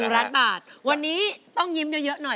ล้านบาทวันนี้ต้องยิ้มเยอะหน่อย